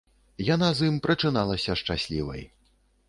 Яна з ім прачыналася шчаслівай.